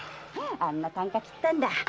あんな啖呵きったんだ。